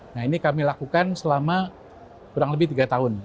nah ini kami lakukan selama kurang lebih tiga tahun